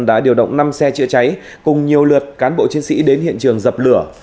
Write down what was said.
đã điều động năm xe chữa cháy cùng nhiều lượt cán bộ chiến sĩ đến hiện trường dập lửa